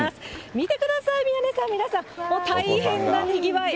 見てください、宮根さん、皆さん、もう大変なにぎわい。